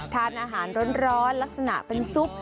ทานอาหารร้อนลักษณะเป็นซุป